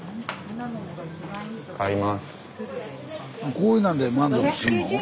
こういうなんで満足すんの？